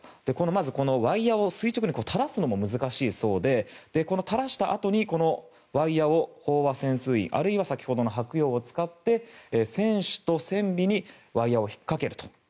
まず、ワイヤを垂直に垂らすのも難しいそうで垂らしたあとにワイヤを飽和潜水員あるいは先ほどの「はくよう」を使って船主と船尾にワイヤを引っかけると。